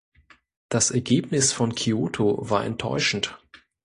Das Ergebnis von Kyoto war enttäuschend.